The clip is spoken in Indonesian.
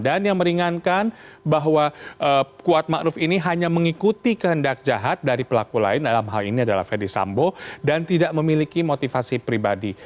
dan yang meringankan bahwa kuat ma'ruf ini hanya mengikuti kehendak jahat dari pelaku lain dalam hal ini adalah fede sambo dan tidak memiliki motivasi pribadi